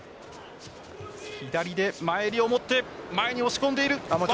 左で前襟を持って前に押し込んでいる。